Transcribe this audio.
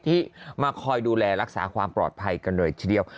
ที่มาคอยดูแลรักษาความปลอดภัยกันหน่อยทีเดียว